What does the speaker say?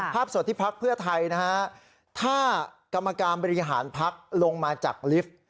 สดที่พักเพื่อไทยนะฮะถ้ากรรมการบริหารพักลงมาจากลิฟต์